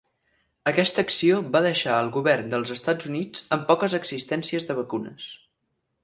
Aquesta acció va deixar el govern dels Estats Units amb poques existències de vacunes.